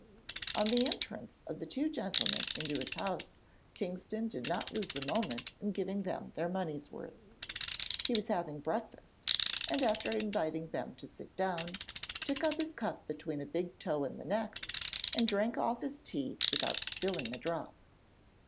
On the entrance of the two gentlemen into his house Kingston did not lose a moment in giving them their money's worth. He was having breakfast, and after inviting them to sit down, took up his cup between his big toe and the next, and drank off his tea without spilling a drop.